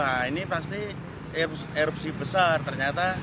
nah ini pasti erupsi besar ternyata